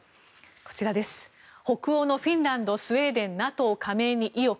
北欧のフィンランドスウェーデンＮＡＴＯ加盟に意欲。